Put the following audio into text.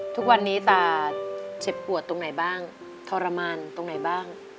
ทุกวันนี้ตาเจ็บปวดตรงไหนบ้างทรมานตรงไหนบ้าง